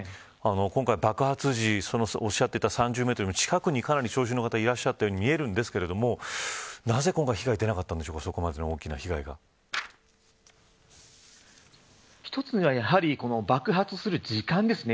今回爆発時、おっしゃっていた３０メートルよりも近くにかなり聴衆の方いらっしゃったように見えるんですがなぜ今回そこまでの大きな被害は一つは爆発する時間ですね。